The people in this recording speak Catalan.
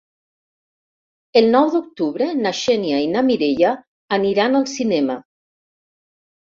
El nou d'octubre na Xènia i na Mireia aniran al cinema.